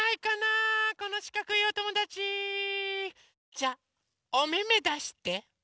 じゃおめめだして。